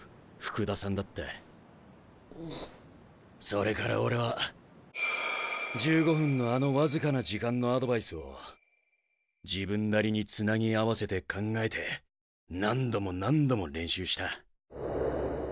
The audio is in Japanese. それから俺は１５分のあの僅かな時間のアドバイスを自分なりにつなぎ合わせて考えて何度も何度も練習した。